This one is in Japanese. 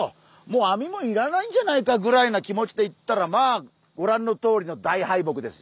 もう網もいらないんじゃないかぐらいの気持ちで行ったらまあご覧のとおりの大敗北ですよ。